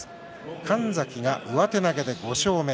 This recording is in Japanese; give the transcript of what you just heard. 神崎が上手投げで５勝目。